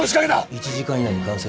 １時間以内に完成させろ。